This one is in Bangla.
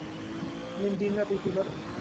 লীম দিনরাত এইটি করে।